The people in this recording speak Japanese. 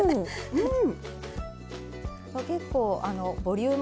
うん。